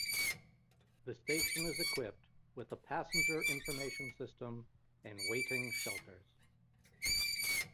The station is equipped with a passenger information system and waiting shelters.